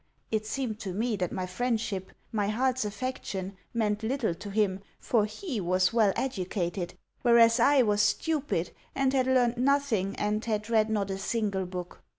It seemed to me that my friendship, my heart's affection, meant little to him, for HE was well educated, whereas I was stupid, and had learned nothing, and had read not a single book.